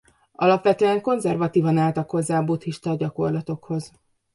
Alapvetően konzervatívan álltak hozzá a buddhista gyakorlatokhoz.